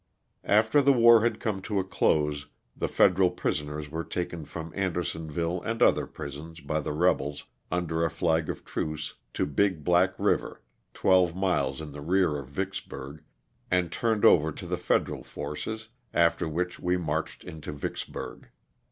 After the war had come to a close the federal pris oners were taken from Andersonville and other prisons by the rebels, under a flag of truce, to Big Black river, twelve miles in the rear of Vicksburg, and turned over to the federal forces, after which we marched into Vicksburg.